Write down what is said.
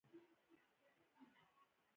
داودزی صیب د اکول اکسیس موسسې مسوول دی.